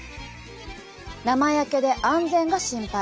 生焼けで安全が心配。